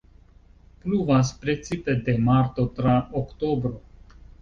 Pluvas precipe de marto tra oktobro.